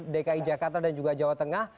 dki jakarta dan juga jawa tengah